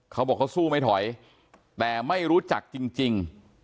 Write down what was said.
เขาบอกเขาสู้ไม่ถอยแต่ไม่รู้จักจริง